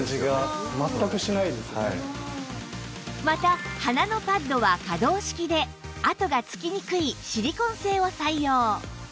また鼻のパッドは可動式で跡がつきにくいシリコン製を採用